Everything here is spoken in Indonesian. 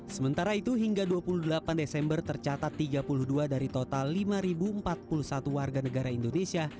sementara itu hingga dua puluh delapan desember tercatat tiga puluh dua dari total lima empat puluh satu warga negara indonesia